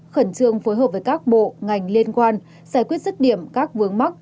khẩn trương phối hợp với các bộ ngành liên quan giải quyết sức điểm các vướng mắt